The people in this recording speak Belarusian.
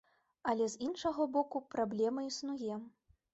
Але з іншага боку, праблема існуе.